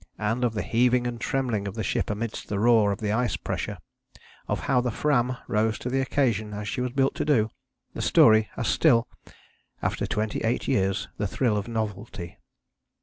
and of the heaving and trembling of the ship amidst the roar of the ice pressure, of how the Fram rose to the occasion as she was built to do, the story has still, after twenty eight years, the thrill of novelty.